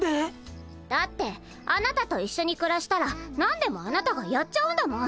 だってあなたと一緒にくらしたら何でもあなたがやっちゃうんだもん。